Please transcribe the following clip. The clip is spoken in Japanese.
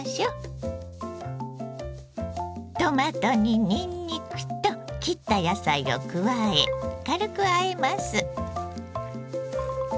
トマトににんにくと切った野菜を加え軽くあえます。